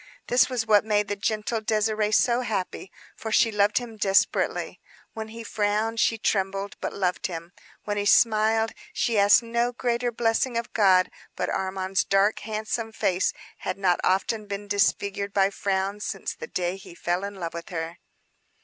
This was what made the gentle Désirée so happy, for she loved him desperately. When he frowned she trembled, but loved him. When he smiled, she asked no greater blessing of God. But Armand's dark, handsome face had not often been disfigured by frowns since the day he fell in love with her.